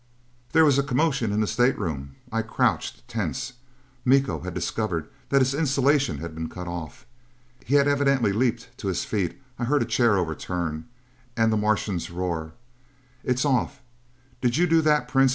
There was a commotion in the stateroom. I crouched, tense. Miko had discovered that his insulation had been cut off! He had evidently leaped to his feet. I heard a chair overturn. And the Martian's roar: "It's off! Did you do that, Prince?